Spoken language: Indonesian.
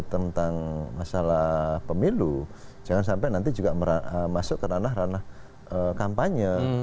tentang masalah pemilu jangan sampai nanti juga masuk ke ranah ranah kampanye